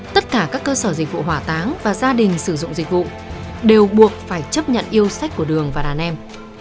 tất cả các cơ sở dịch vụ hỏa táng và gia đình sử dụng dịch vụ đều buộc phải chấp nhận yêu sách của đường và đàn em